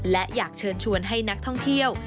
และอยากเชิญชวนให้นักท่องเที่ยว